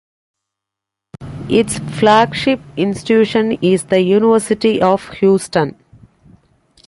Its flagship institution is the University of Houston.